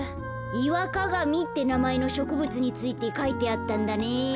イワカガミってなまえのしょくぶつについてかいてあったんだね。